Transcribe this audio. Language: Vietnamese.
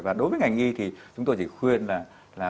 và đối với ngành y thì chúng tôi chỉ khuyên là